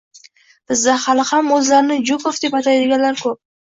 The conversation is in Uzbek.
Bizda hali ham o'zlarini Jukov deb ataydiganlar ko'p